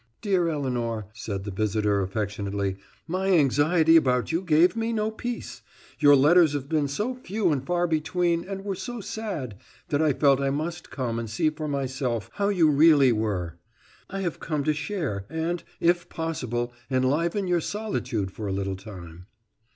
"Dear Elinor," said her visitor affectionately, "my anxiety about you gave me no peace. Your letters have been so few and far between, and were so sad, that I felt I must come and see for myself how you really were. I have come to share and, if possible, enliven your solitude for a little time."